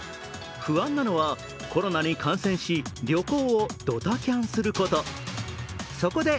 不安なのはコロナに感染し旅行をドタキャンすること。